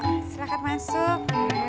loh silahkan masuk